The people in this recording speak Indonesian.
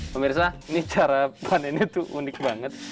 pemirsa ini cara panennya tuh unik banget